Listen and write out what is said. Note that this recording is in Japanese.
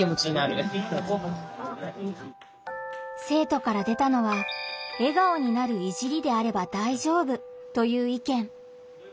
生徒から出たのは「笑顔になる“いじり”であれば大丈夫」という意見。